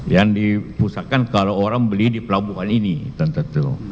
yang dipusatkan kalau orang beli di pelabuhan ini tentu